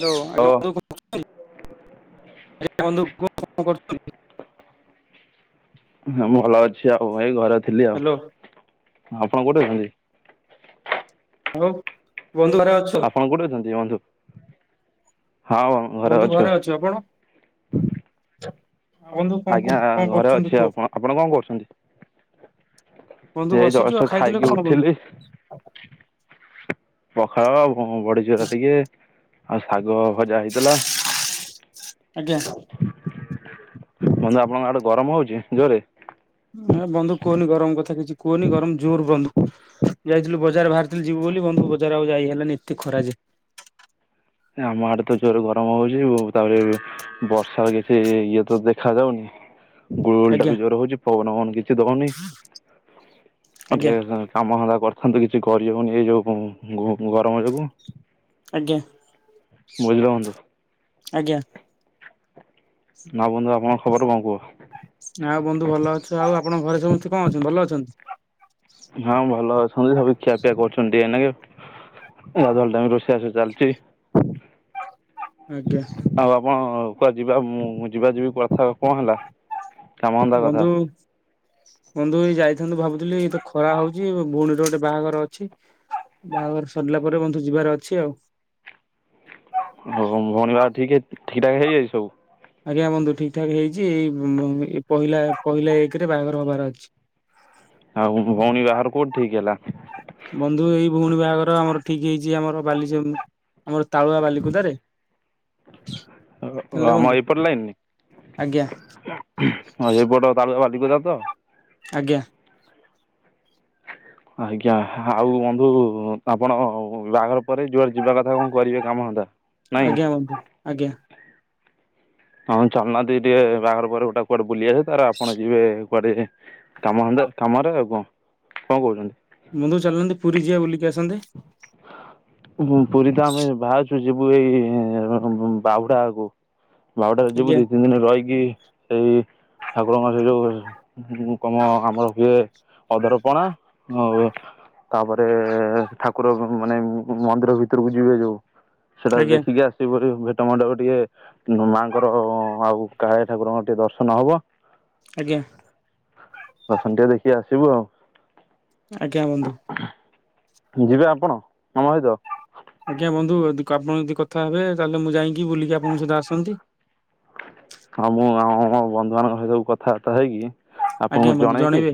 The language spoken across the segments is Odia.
ହ୍ୟାଲୋ ଓ ଆଜ୍ଞା ବନ୍ଧୁ କଣ କରୁଛନ୍ତି ଆଜ୍ଞା ବନ୍ଧୁ କୁହନ୍ତୁ କଣ କରୁଛନ୍ତି? ହଁ ମୁଁ ଭଲ ଅଛି ଆଉ ଏଇ ଘରେ ଥିଲି ଆଉ ହ୍ୟାଲୋ ଆପଣ କୋଉଠି ଅଛନ୍ତି? ହଉ ବନ୍ଧୁ ଘରେ ଅଛୁ। ଆପଣ କୋଉଠି ଅଛନ୍ତି ବନ୍ଧୁ ହଁ। ବନ୍ଧୁ ଘରେ ଅଛୁ ଆପଣ? ଆ ବନ୍ଧୁ କଣ ଆଜ୍ଞା କୁହ କଣ ଘରେ ଅଛି କରୁଛନ୍ତି କୁହ? ଆପଣ ଆପଣ କଣ କରୁଛନ୍ତି? ବନ୍ଧୁ ଏଇ ଜଷ୍ଟ ବସିଛୁ ଆଉ ଖାଇଥିଲ ଖାଇକି କଣ ବନ୍ଧୁ? ଉଠିଲି ପଖାଳ ବଡିଚୁରା ଟିକେ ଆଉ ଶାଗ। ଭଜା ହେଇଥିଲା। ଆଜ୍ଞା ବନ୍ଧୁ ଆପଣଙ୍କ ଆଡେ ଗରମ ହଉଛି ଜୋରେ? ଏ ବନ୍ଧୁ କୁହନି ଗରମ କଥା କିଛି କୁହନି ଗରମ ଜୋର ବନ୍ଧୁ। ଯାଇଥିଲୁ ବଜାର ବାହାରିଥିଲି ଯିବୁ ବୋଲି ବନ୍ଧୁ ବଜାର ଆଉ ଯାଇ ହେଲାନି ଏତେ ଖରା ଯେ। ନା ଆମ ଆଡେ ତ ଜୋର ଗରମ ହଉଛି ତାପରେ, ବର୍ଷାର କିଛି ଇଏ ତ ଦେଖା ଯାଉନି ଗୁଳୁ ଗୁଳି ଟା ଆଜ୍ଞା ବି ଜ୍ୱର ହଉଛି ପବନ ପବନ କିଛି, କିଛି ଦଉନି କଣ ଆଜ୍ଞା ଟିକେ କାମ ଧନ୍ଦା କରି ହଁ ତ କିଛି କରିହଉନି ଏଇ ଯୋଉଁ ଙ୍ଘ୍ହୁ ଗରମ ଯୋଗୁଁ ଆଜ୍ଞା। ବୁଝିଲ ବନ୍ଧୁ। ଆଜ୍ଞା। ହଁ ବନ୍ଧୁ ଆପଣଙ୍କ ଖବର କଣ କୁହ? ଆଉ ବନ୍ଧୁ ଭଲ ଅଛ ଆଉ ଆପଣଙ୍କ ଘରେ ସମସ୍ତେ କଣ ଅଛନ୍ତି ଭଲ ଅଛନ୍ତି? ହଁ ଭଲ ଅଛନ୍ତି ସବୁ ଖିଆପିଆ କରୁଛନଣନ୍ତି ଏନେକେ। ଗାଧୁଆଆଳ ଟାଇମ୍ ରିସେଇ ବାସ ଚାଲିଛି। ଆଜ୍ଞା। ଆଉ ଆପଣ କୁଆ ଯିବା ମୁ ଯିବା ଯିବି କଥା କଣ ହେଲା? କାମଧନ୍ଦା କଥା ବନ୍ଧୁ। ବନ୍ଧୁ ଏଇ ଯାଇଥାନ୍ତୁ ଭାବୁଥିଲି ଏ ତ ଖରା ହଉଛି ଭଉଣୀର ଗୋଟେ ବାହାଘର ଅଛି। ବାହାଘର ସରିଲା ପରେ ବନ୍ଧୁ ଯିବାର ଅଛି ଆଉ। ହଉ ଭଉଣୀ ବାହାଘର ଠିକ୍ ହେଇ ଠିକ୍ ଠାକ ହେଇଯାଇଛି ସବୁ? ଆଜ୍ଞା ବନ୍ଧୁ ଠିକ ଠାକ ହେଇଛି ଏଇ ପହିଲା ପହିଲା ଏକ ରେ ବାହାଘର ହବାର ଅଛି। ଆଉ ଭଉଣୀ ବାହାର କୋଉଠି ଠିକ ହେଲା? ବନ୍ଧୁ ଏଇ ଭଉଣୀ ବାହାଘର ଆମର ଠିକ ହେଇଛି ଆମର ବାଲି [unintelligible] ଆମର ତାଳୁଆ ବାଲିକୁଦାରେ। ହେଲେ ଆମ ବନ୍ଧୁ ଏପର ଲାଇନି ଆଜ୍ଞା ଏପଟ [unintelligible] ଆଜ୍ଞା। ଆଜ୍ଞା ଆଉ ବନ୍ଧୁ ଆପଣ ବାହାଘର ପରେ ଯୁଆଡେ ଯିବା କଥା କଣ କରିବେ କାମ ଧନ୍ଦା। ଆଜ୍ଞା ବନ୍ଧୁ ଆଜ୍ଞା। ହଁ [unintelligible] ଟିକେ ବାହାର ପରେ ଗୋଟେ କୁଆଡେ ବୁଲି ଆସେ ତାର ଆପଣ ଯିବେ କୁଆଡେ କାମ ଧନ୍ଦା କାମରେ ଆଉ କଣ କଣ କହୁଛନ୍ତି? ବନ୍ଧୁ ଚାଲନ୍ତୁ ପୁରୀ ଯିିବା ବୁଲିକି ଆସନ୍ତେ? ପୁରୀ ତ ଆମେ ବାହାରୁଛୁ ଯିବୁ ଏଇ ବାହୁଡା ଆକୁ ବାହୁଡ଼ାରେ ଯିବୁ ଆଜ୍ଞା ଦି ତିନି ଦିନି ରହିକି ସେଇ ଠାକୁରଙ୍କ ସେଇ ଯଉ ମୁଁ କଣ [unintelligible] ଏ ଅଧର ପଣା ଆଉ ତାପରେ ଏ ଠାକୁର ମାନେ ମନ୍ଦିର ଭିତରକୁ ଯିବେ ଯୋଉ ସେଟା ଆଜ୍ଞା ଦେଖିକି ଆସିବୁ [unintelligible] ଟିକେ ମାଆଙ୍କର ଆଉ କାଳିଆ ଠାକୁରଙ୍କର ଟିକେ ଦର୍ଶନ ହବ। ଆଜ୍ଞା। ଦର୍ଶନ ଟିକେ ଦେଖିକି ଆସିବୁ ଆଉ। ଆଜ୍ଞା ବନ୍ଧୁ। [unintelligible] ଯିବେ ଆପଣ ଆମ ସହିତ? ଆଜ୍ଞା ବନ୍ଧୁ ଆପଣ ଯଦି କଥା ହେବେ ତାହେଲେ ମୁଁ ଯାଇକି ବୁଲିକି ଆପଣଙ୍କ ସହିତ ଆସନ୍ତି। ହଁ ମୁଁ ଆମ ବନ୍ଧୁ ମାନଙ୍କ ସହିତ କଥାବାର୍ତ୍ତା ହେଇକି। ଆଜ୍ଞା ଆପଣଙ୍କୁ ବନ୍ଧୁ ଜଣେଇବି ଜଣେଇବେ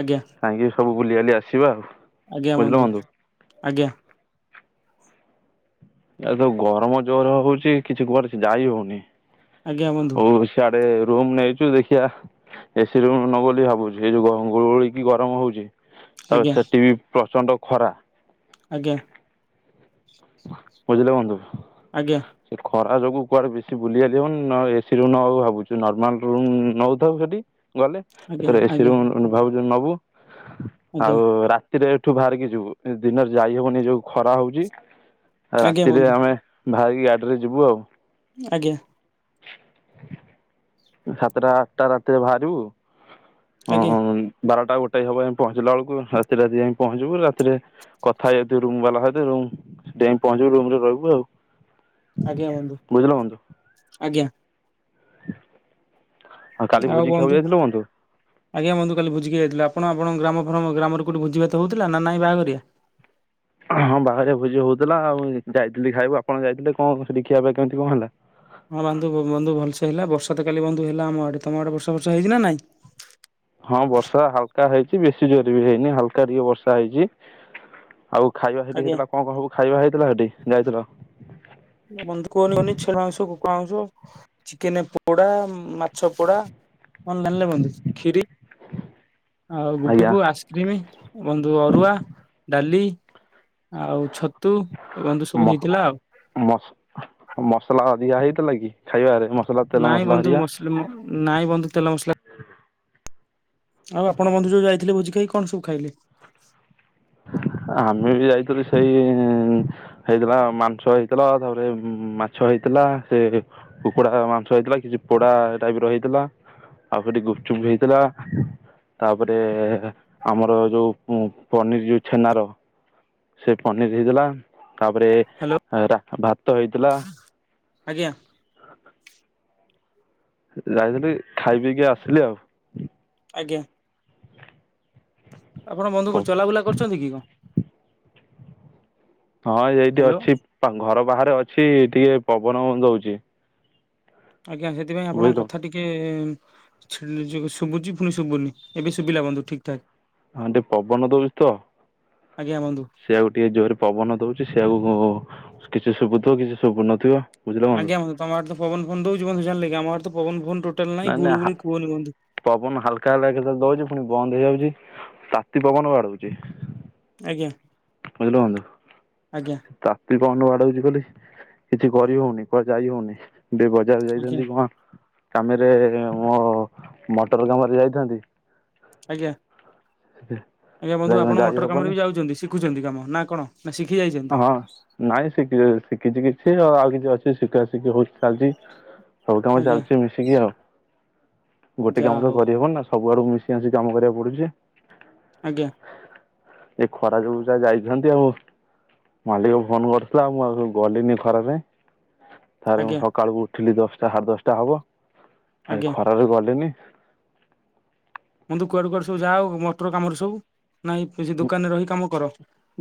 ଆଜ୍ଞା ସବୁ ବୁଲିିବାଲି ଆସିବା ଆଉ। ଆଜ୍ଞା ବନ୍ଧୁ ଆଜ୍ଞା। ଏ ତ ଗରମ ଜୋରେ ହଉଛି କିଛି କୁ ଆଡେଯାଇ ହଉନି ଆଜ୍ଞା ବନ୍ଧୁ ହଉ। ସି ଆଡେ ରୁମ୍ ନେଇଛୁ ଦେଖିିବା। ଏସି ରୁମ୍ ନବୁ ବୋଲି ଭାବୁଛି ଏଇ ଯୋଉ ଗୁଳୁଗୁଳିକି ଗରମ ହଉଛି। ତ ଆଜ୍ଞା ସେଠି ବି ପ୍ରଚଣ୍ଡ ଖରା। ଆଜ୍ଞା। ବୁଝିଲେ ବନ୍ଧୁ। ଆଜ୍ଞା। ସେ ଖରା ଯୋଗୁ କୁଆଡେ ବେଶୀ ବୁଲିବାଲି ହଉନି ନ ଏସି ରୁମ୍ ନବ ଭାବୁଛୁ ନର୍ମାଲ ରୁମ ନଉଥାଉ ସେଠି। ଗଲେ ଆଜ୍ଞା ଏଥର ଆଜ୍ଞା ଏସି ଆଜ୍ଞା ରୁମ୍ ଭାବୁଚୁ ନବୁ ଆଉ ରା ଏଥିରେ ଏଠୁ ବାହାରିକି ଯିବୁ ଦିନରେ ଯାଇ ହବନି ଯୋଉ ଖରା ହଉଚି ଆଉ ଆଜ୍ଞା ରାତିରେ ବନ୍ଧୁ ଆମେ ବାହାରିକି ଗାଡ଼ିରେ ଯିବୁ ଆଉ। ଆଜ୍ଞା। ସାତଟା ଆଠଟା ରାତିରେ ବାହାରିବୁ ଆଜ୍ଞା। ଅଁ ବାରଟା ଗୋଟାଏ ହବ ଆମେ ପହଞ୍ଚିଲା ବେଳକୁ ରାତି ରାତି ଯାଇକି ପହଞ୍ଚିବୁ ରାତିରେ କଥା ହେଇଯାଇଥିବୁ ରୁମ୍ ବାଲା ସହିତ ରୁମ୍ ସେଠି ଯାଇକି ପହଞ୍ଚିବୁ ରୁମରେ ରହିବୁ ଆଉ। ଆଜ୍ଞା ବନ୍ଧୁ ବୁଝିଲ ବନ୍ଧୁ ଆଜ୍ଞା। କାଲି ଆଉ ଭୋଜି ଖାଇବାକୁ ବନ୍ଧୁ ଯାଇଥିଲ ଆଜ୍ଞା ବନ୍ଧୁ କାଲି ଭୋଜି ଖାଇଯାଇଥିଲୁ ଆପଣ ଆପଣଙ୍କ ଗ୍ରାମ ଫ୍ରାମ ଗ୍ରାମରେ କେଉଠି ଭୋଜି ଭାତ ହେଉଥିଲାନା ନାହିଁ ବାହାଘରିଆ? ହଁ ବାହାଘରିଆ ଭୋଜି ହଉଥିଲା ଆଉ ଯାଇଥିଲି ଖାଇବୁ ଆପଣ ଯାଇଥିଲେ କଣ ସେଠି ଖିଆ ପିଆ କେମିତି କଁ ହେଲା? ହଁ ବାନ୍ଧୁ ବନ୍ଧୁ ଭଲସେ ହେଲା ବର୍ଷାତ କାଲି ବନ୍ଧୁ ହେଲା ଆମ ଆଡ଼େ ତମ ଆଡ଼େ ବର୍ଷା ଫର୍ଷା ହେଇଚିନା ନାଇଁ? ହଁ ବର୍ଷା ହାଲକା ହେଇଚି ବେଶୀ ଜୋରେବି ହେଇନି ହାଲକା ଟିକେ ବର୍ଷା ହେଇଚି ଆଉ ଖାଇବା ସେଠି ଆଜ୍ଞା ହେଇଥିଲା କଁ କଁ ସବୁ ଖାଇବା ହେଇଥିଲା ସେଠି ଯାଇଥିଲ? ବନ୍ଧୁ କହନି କୁହନି [unintelligible] ସବୁ ଖାଉଚୁ ଚିକେନ୍ ପୋକଡ଼ା ମାଛ ପୋଡ଼ା ଅନଲାଇନ୍ ବନ୍ଧୁ ଖିରି ଆଉ ଆଜ୍ଞା ଗୁପଚୁପ୍ ଆସ୍ କ୍ରିମ୍ ବନ୍ଧୁ ଅରୁଆ ଡ଼ାଲି ଆଉ ଛତୁ ଏ ବନ୍ଧୁ ସବୁ ହେଇଥିଲା ଆଉ। ମସ ମସଲା ଅଧିକା ହେଇଥିଲାକି ଖାଇବାରେ? ମସଲା ତେଲ ନାଇଁ ମସଲା ବନ୍ଧୁ ହେରିକା? ମସଲ ନାଇଁ ବନ୍ଧୁ ତେଲ ମସଲା ଆଉ ଆପଣ ବନ୍ଧୁ ଯଉ ଯାଇଥିଲେ ଭୋଜି ଖାଇ କଣ ସବୁ ଖାଇଲେ? ଆମେବି ଯାଇଥିଲୁ ସେଇ ହେଇଥିଲା ମାଂସ ହେଇଥିଲା ତାପରେ ମାଛ ହେଇଥିଲା ସେ କୁକୁଡ଼ା ମାଂସ ହେଇଥିଲା କିଛି ପୋଡ଼ା ଟାଇପର ହେଇଥିଲା ଆଉ ସେଠି ଗୁପଚୁପ୍ ହେଇଥିଲା ତାପରେ ଆମର ଯୋଉ ପନିର ଯୋଉ ଛେନାର ସେ ପନିର୍ ହେଇଥିଲା ତାପରେ ହ୍ୟାଲୋ ରା ଭାତ ହେଇଥିଲା ଆଜ୍ଞା। ଯାଇଥିଲି ଖାଇ ପିଇକି ଆସିଲି ଆଉ। ଆଜ୍ଞା। ଆପଣ ବନ୍ଧୁ କଁ ଆଉ। ଚଲାବୁଲା କରୁଚନ୍ତିକି କଁ? ହଁ ଏଇଠି ହ୍ୟାଲୋ ଅଛି ଘର ବାହାରେ ଅଛି ଟିକେ ପବନ ଦଉଚି। ଆଜ୍ଞା ହେଥିପାଇଁ ଆପଣଙ୍କ ବୁଝିଲୁ। କଥା ଟି ଟିକେ ନିଜକୁ ଶୁବୁଚି ପୁଣି ଶୁବୁନି ଏବେ ଶୁବିଲା ବନ୍ଧୁ ଠିକ୍ ଠାକ୍। ଆମର ଟିକେ ପବନ ଦଉଚିତ। ଆଜ୍ଞା ବନ୍ଧୁ। ସେଆକୁ ଟିକେ ଜୋରେ ପବନ ଦଉଚି ସେଆକୁ କିଛି ଶୁବୁଥିବ କିଛି ଶୁବୀନଥିବ ଆଜ୍ଞା ବନ୍ଧୁ ତମର ଆଡ଼େତ ପବନ ଫବନ ଦଉଚି ବନ୍ଧୁଯାଣିଲେ ଆମ ଆଡ଼େତ ପବନ ଫବନ ଟୋଟାଲି ନାଇଁ ନାହିଁ ନାଇଁ ଗୁଳୁଗୁଳୁ କହନି ବନ୍ଧୁ। ପବନ ହାଲକା ହାଲକା ଦଉଚି ପୁଣି ବନ୍ଦ ହେଇଯାଉଚି ତାତି ପବନ ବାଡ଼ଉଚି। ଆଜ୍ଞା ବୁଝିଲେ ବନ୍ଧୁ ଆଜ୍ଞା ଏତେ ପପନ ବାଡ଼ଉଚି ବୋଲି କିଛି କରିହଉନି କୁଆଡ଼େ ଯାଇ ହଉନି ଟିକେ ବଜାରକୁ ଆଜ୍ଞା ଯାଇଥାନ୍ତି କଣ କାମରେ ମୋ ମଟର କାମରେ ଯାଇଥାନ୍ତି ଆଜ୍ଞା। ହୁଁଁ। ଆଜ୍ଞା ବନ୍ଧୁ ଆପଣ ମଟର କାମରେବି ଯାଉଚନ୍ତି ଶିଖୁଚନ୍ତି କାମ ନାକଣ ନାଶିଖି ଯାଇ ହଁ ନାଇଁ ଶିଖ ଶିଖିଛି କିଛି ଆଉ କିଛି ଅଛି ଶିଖିବା ଶିଖି ହଉ ଚାଲିଛି ହବ କାମ ଆଜ୍ଞା ଚାଲିଛି ମିଶିକି ଆଉ ଗୋଟେ ଯାହା କାମ ତ ହଉ କରିହବନି ନା ସବୁଆଡୁ ମିଶି ଆସି କାମ କରିବାକୁ ପଡୁଛି। ଆଜ୍ଞା। ଏ ଖରା ଯୋଗୁ ଯାହା ଯାଇଛନ୍ତି ଆଉ ମାଲିକ ଫୋନ କରିଥିଲା ମୁଁ ଆଉ ଗଲିନି ଖରାପ ତାରେ ମୁଁ ଆଜ୍ଞା ସକାଳକୁ ଉଠ ଉଠିଲି ଦଶଟା ସାଢ଼େ ଦଶଟା ହବ ଆଜି ଆଜ୍ଞା ଖରାରେ ଗଲେଣିି ମୁନ୍ତୁ କୁଆଡେ କୁଆଡେ ସବୁ ଯାଅ ମଟର କାମରେ ସବୁ ନହିଁ କି ଦୋକାନରେ ରହି କାମ କର?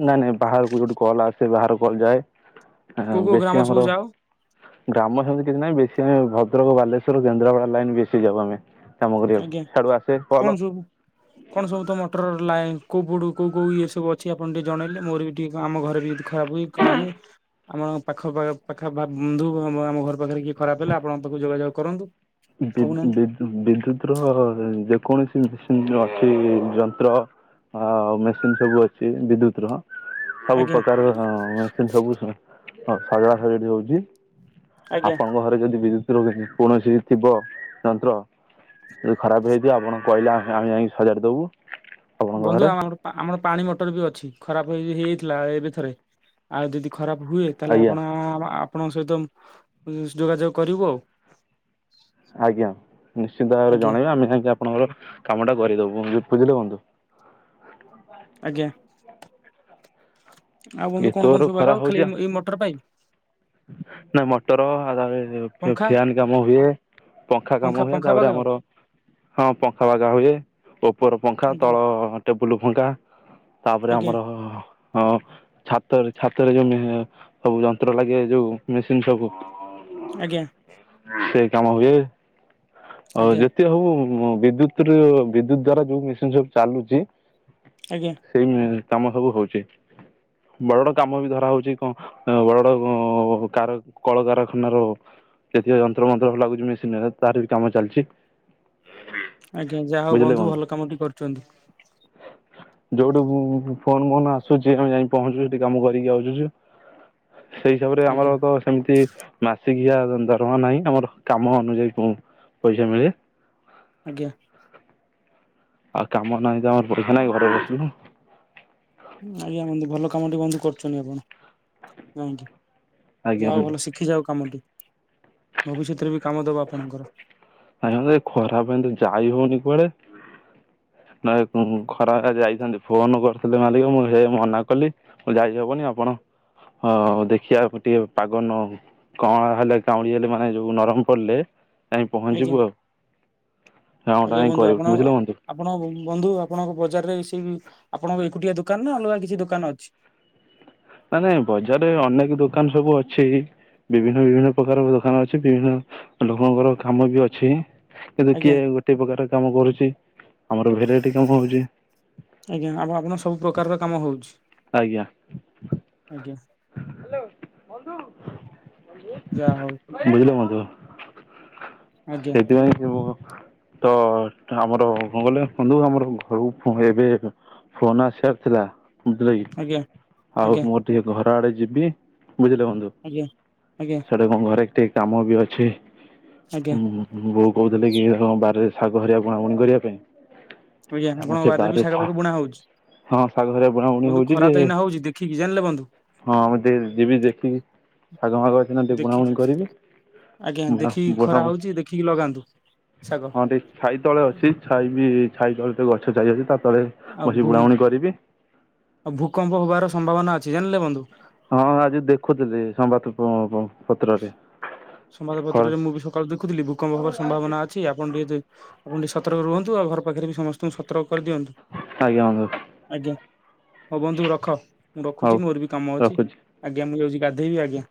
ନାଇଁ ନାଇଁ ବାହାରକୁ ଯୋଉଠି କଲ ଆସେ ବାହାର କଲ କୋଉ ଯାଏ କୋଉ ଗ୍ରାମ ବେଶୀ ସବୁ ଆମର ଯାଅ ଗ୍ରାମ ସେମିତି କିଛି ନାହିଁ ବେଶୀ ଆମେ ଭଦ୍ରକ ବାଲେଶ୍ଵର କେନ୍ଦ୍ରାପଡା ଲାଇନ ବେଶୀ ଯାଉ ଆମେ କାମ ଆଜ୍ଞା କରିବାକୁ ସେଆଡୁ ଆସିବେ କଣ କଲ। ସବୁ କଣ ସବୁ ତ ମଟର ଲା କେଉ ବୁଡ଼ କେଉ କଉ ଏଇସବୁ ଅଛି ଆପଣ ଟିକେ ଜଣେଇଲେ ମୋର ବି ଟିକେ ଆମ ଘରେ ବି ଖରାପହୁଏ କ ପାଇଁ? ଆମ ପାଖ ପାଖ ବନ୍ଧୁ ଆମ ଘର ପାଖରେ କିଏ ଖରାପ ହେଲେ ଆପଣ ତାକୁ ଯୋଗାଯୋଗ କରନ୍ତୁ। କହୁନାହାନ୍ତି [unintelligible] ବିଦ୍ୟୁତ ର ଯେକୌଣସି ମେସିନ ଅଛି ଯନ୍ତ୍ର ହଁଉ ମେସିନ ସବୁ ଅଛି ବିଦ୍ୟୁତ ର ସବୁ ଆଜ୍ଞା ପ୍ରକାର ମ ସବୁ ସଜଡା ସଜଡି ହଉଛି ଆଜ୍ଞା ଆପଣଙ୍କ ଘରେ ଯଦି ବିଦ୍ୟୁତ ରଖୁଛନ୍ତି କୌଣସି ଥିବ ଯନ୍ତ୍ର ଯଦି ଖରାପ ହେଇଛି ଆପଣ କହିଲେ ଆମେ ଯାଇକି ସଜାର ଦବୁ। ବନ୍ଧୁ ଆମର ଆମର ପାଣି ମଟର ବି ଅଛି ଖରାପ ହେଇ ହେଇଥିଲା ଏବେଥରେ ଆଉ ଯଦି ଖରାପ ହୁଏ ତାହେଲେ ଆଜ୍ଞା ଆପଣ ଆପଣଙ୍କ ସହିତ ଯୋଗାଯୋଗ କରିବୁ ଆଉ। ଆଜ୍ଞା ନିଶ୍ଚିନ୍ତ ଭାବରେ ଆଜ୍ଞା ଜଣେଇବା ଆମେ କାଇହିଁକି ଆପଣଙ୍କର କାମ ଟା କରିଦବୁ ବୁଝିଲେ ବନ୍ଧୁ। ଆଜ୍ଞା ଆଉ ବନ୍ଧୁ ଏତେ କଣ ଜୋର କଣ ସବୁ ଆଗ ଖାଲି ଏଇ ମଟର ପାଇଁ ନାଇଁ ମୋଟୋର ଆ ପଙ୍ଖା ଫ୍ୟାନ କାମ ହୁଏ ପଙ୍ଖା କାମ ହୁଏ ପଙ୍ଖା ତାପରେ ବାଗାଅ ଆମର ହଁ ପଙ୍ଖା ବାଗା ହୁଏ ଉପର ପଙ୍ଖା ଆଜ୍ଞା ତଳ ଟେବୁଲ ପଙ୍ଖା ତାପରେ ଆଜ୍ଞା ଆମର ହଁ ଛାତରେ ଛାତରେ ଯୋଉ ସବୁ ଯନ୍ତ୍ର ଲାଗେ ଯୋଉ ମେସିନ ସବୁ ଆଜ୍ଞା। ସେଇ କାମ ହଏ ଆଉ ଆଜ୍ଞା ଯେ ହବ ବିଦ୍ୟୁତ ବିଦ୍ୟୁତ ଦ୍ଵାରା ଯୋଉ ମେସିନ ସବୁ ଚାଲୁଛି ଆଜ୍ଞା। ସେଇ କାମ ସବୁ ହଉଛି। ବଡ ବଡ କାମ ବି ଧରା ହଉଛି କଣ ବଡ ବଡ କାର କଳକାରଖାନାର ଯେତିକ ଯନ୍ତ୍ର ମନ୍ତ୍ର ହେଲାଗ ମେସି ତାର ବି କାମ ଚାଲିଛି। ଆଜ୍ଞା ଯାହା ହଉ ବନ୍ଧୁ ଭଲ କାମ ଟେ କରୁଛନ୍ତି। ଯୋଉଠୁ ଫୋନ ଫୋନ ଆସୁଛି ଆମେ ଯାଇ ପହଞ୍ଚୁ ସେଠି କାମ କରିକି ଆସୁ ସେଇ ହିସାବରେ ଆଜ୍ଞା ଆମର ତ ସେମିତି ମାସିକିଆ ଦରମା ନାହିଁ ଆମର କାମ ଅନୁଯାୟୀ ପଇସା ମିଳେ ଆଜ୍ଞା। ଆଉ କାମ ନାହିଁ ତ ଆମର ପଇସା ନାଇଁ ଘରେ ବସିକିନା ଆଜ୍ଞା ବନ୍ଧୁ ଭଲ କାମ ଟି ବନ୍ଧୁ କରୁଛନ୍ତି ଆପଣ [unintelligible] ଆଜ୍ଞା ଯାହା ବନ୍ଧୁ ଭଲ ଶିଖିଯାଆନ୍ତୁ କାମଟି ଭବିଷ୍ୟତରେ ବି କାମ ଦବ ଆପଣଙ୍କର ଆଜ୍ଞ ଖରା ପାଇଁ ତ ଯାଇ ହଉନି କୁଆଡେ? ଭାଇ ଖରାରେ ଯାଇଛନ୍ତି ଫୋନ କରିଥିଲେ ମାଲିକ ମୁଁ ହେ ମନା କଲି। ଯାଇ ହବନି ଆପଣ ହ ଦେଖିବା ଟିକେ ପାଗ ନ କଅଁଳ ହେଲେ କାଉଁଡି ହେଲେ ମାନେ ଯୋଉ ନରମ ପଡିଲେ ଯାଇ ଆଜ୍ଞା ପହଞ୍ଚିବୁ ଆଉ। ହଁ ଆଜ୍ଞା ଭାଇଙ୍କୁ ବନ୍ଧୁ କହିବୁ ଆପଣ ବୁଝିଲ ବନ୍ଧୁ। ଆପଣ ବନ୍ଧୁ ଆପଣଙ୍କ ବଜାରରେ ସେଇ ଆପଣଙ୍କ ଏକୁଟିଆ ଦୋକାନ ନା ଅଲଗା କିଛି ଦୋକାନ ଅଛି? ନାଇଁ ନାଇଁ ବଜାରରେ ଅନେକ ଦୋକାନ ସବୁ ଅଛି। ବିଭିନ୍ନ ବିଭିନ୍ନ ପ୍ରକାର ଦୋକାନ ଅଛି, ବିଭିନ୍ନ ଲୋକଙ୍କର କାମ ବି ଅଛି। କିନ୍ତୁ ଆଜ୍ଞା କିଏ ଗୋଟେ ପ୍ରକାର କାମ କରୁଛି, ଆମର ଭେରାଇଟି କାମ ହଉଛି। ଆଜ୍ଞା ଆ ଆପଣଙ୍କ ସବୁ ପ୍ରକାରର କାମ ହଉଛି? ଆଜ୍ଞା। ହ୍ୟାଲୋ ବନ୍ଧୁ ବନ୍ଧୁ। ଯା ହଉ। ବୁଝିଲ ବନ୍ଧୁ ଆଜ୍ଞା ସେଥିପାଇଁ କି ମୁଁ ତ ଆମର କଣ କହିଲେ ଗଲେ ବନ୍ଧୁ ଆମର ଘରୁ ଏବେ ଫୋନ ଆସିବାର ଥିଲା। ବୁଝିଲେ କି, ଆଜ୍ଞା ଆଉ ଆଜ୍ଞା ମୁଁ ଟିକେ ଘର ଆଡେ ଯିବି ବୁଝିଲେ ବନ୍ଧୁ। ଆଜ୍ଞା ଆଜ୍ଞା ସେଟା ଘରେ ଟିକେ କାମ ବି ଅଛି ଆଜ୍ଞା ହୁଁ। ବୋଉ କହୁଥିଲେ କି ବାରିରେ ଶାଗ ବୁଣାବୁଣି କରିବା ପାଇଁ। ଆଜ୍ଞା ଆମ ଆପଣଙ୍କ ସେ ବି ଶାଗ ବାରିରେ ଫାଗ ବୁଣା ହଉଛି ହଁ ଶାଗ ହିରା ବୁଣାବୁଣି ହଉଛି ଯେ ଠିକ୍ ଜାଣିଲେ ବନ୍ଧୁ। ହଁ ମୁଁ ଟିକେ ଯିବି ଦେଖିବି ଶାଗ ମାଗ ଟିକେ ଦେଖି ବୁଣାବୁଣି କରିବି। ଆଜ୍ଞା ବୁଣା ଦେଖିକି ଖରା ବୁଣାବୁଣି ହଉଛି ଦେଖିକି ଲଗାନ୍ତୁ ଶାଗ। ହଁ ଟିକେ ଛାଇ ତଳେ ହୁଁ। ଅଛି ଛାଇ ବି ଛାଇ ତଳେ ତ ଗଛ ଚାଲି ଅଛି ତା ତଳେ ଆଉ ବସି ଭୂ ବୁଣାବୁଣି କରିବି ଆଉ ଭୂମିକମ୍ପ ହବାର ସମ୍ଭାବନା ଅଛି ଜାଣିଲେ ବନ୍ଧୁ। ହଁ ଆଜି ଦେଖୁଥିଲି ସମ୍ବାଦ ପ -ପ ପତ୍ରରେ। ହଉ ସମାଦପତ୍ରରେ ମୁଁ ବି ସକାଳେ ଦେଖୁଥିଲି ଭୂକମ୍ପ ହବାର ସମ୍ଭାବନା ଅ ଅଛି। ଆପଣ ଟିକେ ଆପଣ ଟିକେ ସତର୍କ ରୁହନ୍ତୁ ଆଉ ଆପଣଙ୍କ ଘର ପାଖରେ ବି ସମ ତ ସତର୍କ କରିଦିଅନ୍ତୁ ଆଜ୍ଞା ବନ୍ଧୁ ଆଜ୍ଞା ହଉ ବନ୍ଧୁ ରଖ। ମୁଁ ହଉ ରଖୁଛି ମୋର ବି କାମ ଅଛି ରଖୁଛି ଆଜ୍ଞା ମୁଁ ଯାଉଛି ଗାଧୋଇବି ଆଜ୍ଞା।